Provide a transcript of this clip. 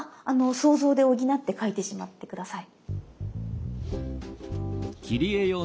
想像で補って描いてしまって下さい。